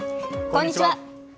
こんにちは。